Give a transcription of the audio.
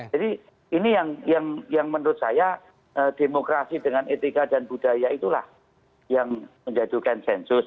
jadi ini yang menurut saya demokrasi dengan etika dan budaya itulah yang menjadikan sensus